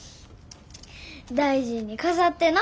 大事に飾ってな。